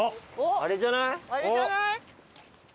あれじゃない？